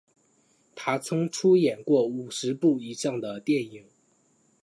他曾出演过五十部以上的电影。